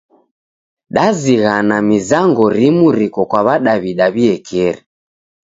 Dazighana mizango rimu riko kwa W'adaw'ida w'iekeri.